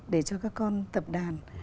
để cho các con tập đàn